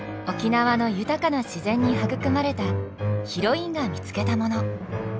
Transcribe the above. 沖縄の豊かな自然に育まれたヒロインが見つけたもの。